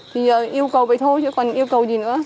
thì yêu cầu vậy thôi chứ còn yêu cầu gì nữa